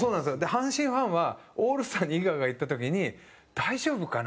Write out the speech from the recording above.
阪神ファンは、オールスターに井川が行った時に大丈夫かな？